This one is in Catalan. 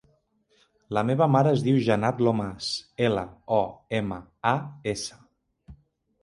La meva mare es diu Janat Lomas: ela, o, ema, a, essa.